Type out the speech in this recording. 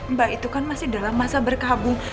mbak itu kan masih dalam masa berkabung